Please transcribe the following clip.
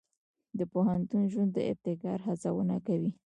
د پوهنتون ژوند د ابتکار هڅونه کوي.